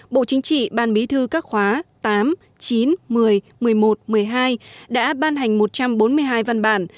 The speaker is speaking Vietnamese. bộ chính trị ban bí thư các khóa tám chín một mươi một mươi một một mươi hai đã ban hành một trăm bốn mươi hai văn bản